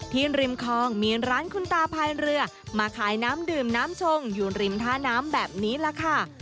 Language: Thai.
ริมคลองมีร้านคุณตาพายเรือมาขายน้ำดื่มน้ำชงอยู่ริมท่าน้ำแบบนี้ล่ะค่ะ